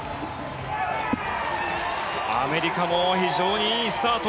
アメリカも非常にいいスタート。